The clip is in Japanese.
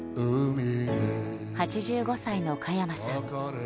８５歳の加山さん。